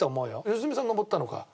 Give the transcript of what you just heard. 良純さん登ったのか。